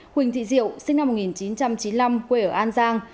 huỳnh thị diệu sinh năm một nghìn chín trăm chín mươi năm quê ở an giang